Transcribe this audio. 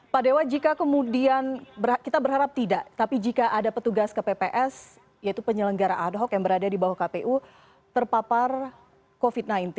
pak dewa jika kemudian kita berharap tidak tapi jika ada petugas kpps yaitu penyelenggara ad hoc yang berada di bawah kpu terpapar covid sembilan belas